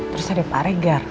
terus ada pak regar